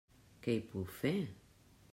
Què hi puc fer?